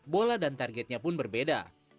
bola dan targetnya pun berbeda